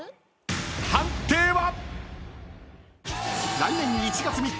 判定は！？